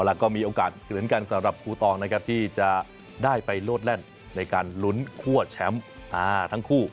แล้วก็มีโอกาสเหมือนกันสำหรับครูตองนะครับที่จะได้ไปโลดแล่นในการลุ้นคั่วแชมป์ทั้งคู่